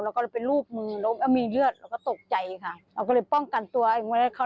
เราก็เลยเป็นลูกมือเราก็มีเลือดเราก็ตกใจค่ะเราก็เลยป้องกันตัวอีกมือแล้วเขา